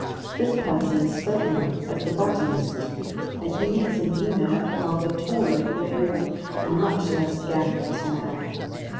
This person is spoken of as the botanist, and he is a leaner, rather taller, graver and much less garrulous man.